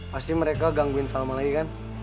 pasti mereka gangguin salman lagi kan